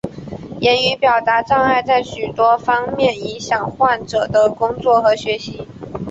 言语表达障碍在许多方面影响患者的工作和学习。